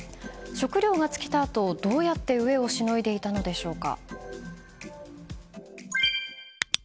食料が尽きたあと、どうやって飢えをしのいでいたのでしょうか。